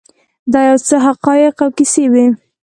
دا یو څه حقایق او کیسې وې.